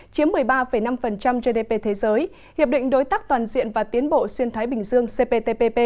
chiếm một mươi ba năm gdp thế giới hiệp định đối tác toàn diện và tiến bộ xuyên thái bình dương cptpp